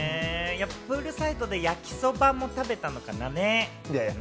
プールサイドで焼きそばも食べたのかね？